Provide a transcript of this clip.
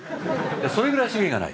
それぐらい資源がない。